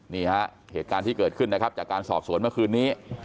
เหตุการณ์ที่เกิดขึ้นนะครับจากการสอบสวนเมื่อคืนนี้